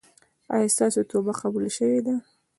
ایا ستاسو توبه قبوله شوې ده؟